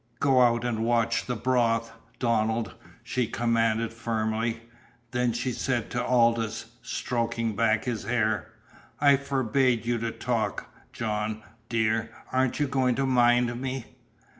"Go out and watch the broth, Donald," she commanded firmly. Then she said to Aldous, stroking back his hair, "I forbade you to talk. John, dear, aren't you going to mind me?"